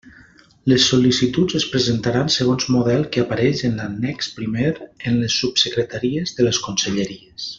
Les sol·licituds es presentaran segons model que apareix en l'annex primer en les subsecretaries de les conselleries.